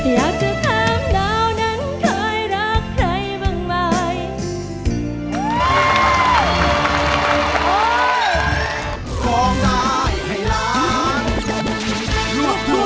อยากจะถามดาวนั้นเคยรักใครบ้างไหม